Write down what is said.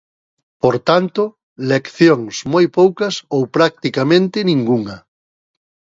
Por tanto, leccións moi poucas ou practicamente ningunha.